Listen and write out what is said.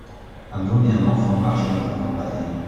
Un homme et un enfant marchent dans la campagne.